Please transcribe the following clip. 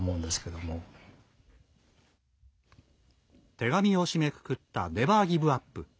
手紙を締めくくったネバーギブアップ。